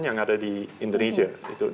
yang ada di indonesia